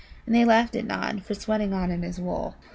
And they laughed at Nod for sweating on in his wool.